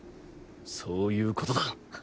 そういうことだ。